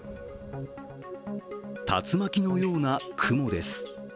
竜巻のような雲です。